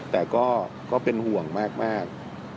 แต่ก็เป็นห่วงมาก